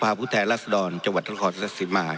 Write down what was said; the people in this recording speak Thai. พระพุทธแหลศดรจังหวัดธรรมศาสิมา